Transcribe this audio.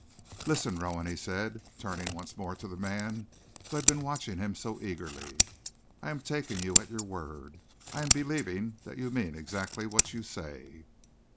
"Listen, Rowan," he said, turning once more to the man who had been watching him so eagerly, "I am taking you at your word. I am believing that you mean exactly what you say."